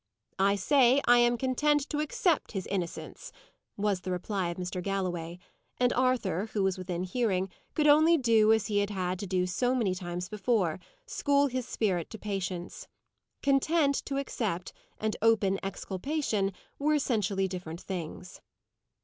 "I say I am content to accept his innocence," was the reply of Mr. Galloway; and Arthur, who was within hearing, could only do as he had had to do so many times before school his spirit to patience. "Content to accept," and open exculpation, were essentially different things.